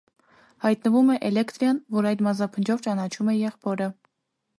Հայտնվում է էլեկտրիան, որ այդ մազափնջով ճանաչում է եղբորը։